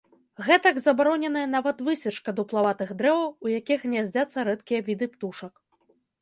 Гэтак, забароненая нават высечка дуплаватых дрэваў, у якіх гняздзяцца рэдкія віды птушак.